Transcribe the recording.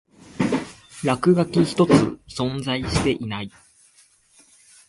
落書き一つ存在していない